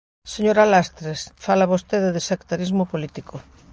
Señora Lastres, fala vostede de sectarismo político.